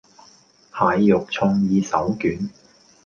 蟹肉創意手卷